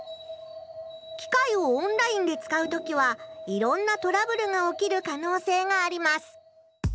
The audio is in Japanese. きかいをオンラインで使う時はいろんなトラブルが起きるかのうせいがあります。